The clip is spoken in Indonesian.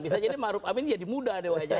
bisa jadi maruf amin jadi mudah deh wajahnya